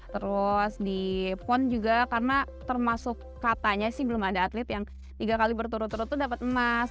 terus di pon juga karena termasuk katanya sih belum ada atlet yang tiga kali berturut turut itu dapat emas